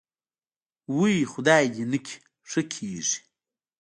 وۍ خدای دې نکي ښه کېږې.